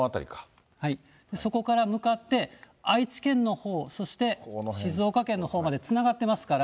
そこから向かって愛知県のほう、そして静岡県のほうまでつながってますから。